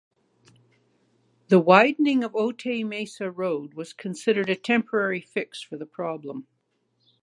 The widening of Otay Mesa Road was considered a temporary fix for the problem.